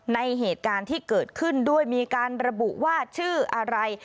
ในเหตุการณ์ที่เกิดขึ้นด้วยมีการระบุว่าชื่ออะไร